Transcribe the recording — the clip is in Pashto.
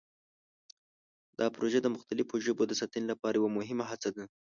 دا پروژه د مختلفو ژبو د ساتنې لپاره یوه مهمه هڅه ده.